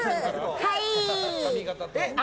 はい！